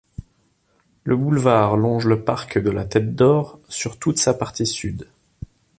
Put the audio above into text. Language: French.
Le boulevard longe le Parc de la Tête d'Or sur toute sa partie sud.